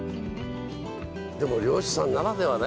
でも漁師さんならではね。